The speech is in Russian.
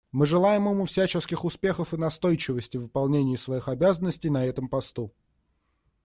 Мы желаем ему всяческих успехов и настойчивости в выполнении своих обязанностей на этом посту.